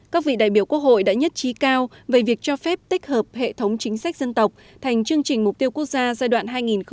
các vị đại biểu quốc hội đã nhất trí cao về việc cho phép tích hợp hệ thống chính sách dân tộc thành chương trình mục tiêu quốc gia giai đoạn hai nghìn hai mươi một hai nghìn ba mươi